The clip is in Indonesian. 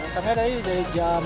datangnya dari jam lima